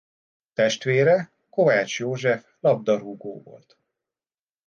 Testvére Kovács József labdarúgó volt.